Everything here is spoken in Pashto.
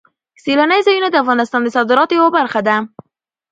سیلاني ځایونه د افغانستان د صادراتو یوه برخه ده.